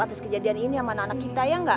atas kejadian ini sama anak anak kita ya enggak